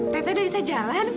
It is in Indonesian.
teteh udah bisa jalan